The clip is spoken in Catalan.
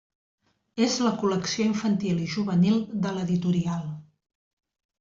És la col·lecció infantil i juvenil de l'editorial.